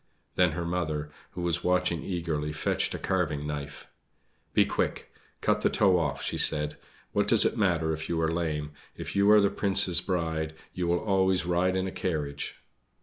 Then her mother, who was watching eagerly, fetched a carving knife. "Be quick, cut the toe off," she said; "what does it matter if you are lame if you are the Prince's bride you will always ride in a carriage!"